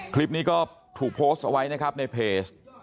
คลิปนี้ก็ถูกโพสต์เอาไว้นะครับในเพจ